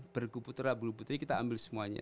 berguputera bulu putri kita ambil semuanya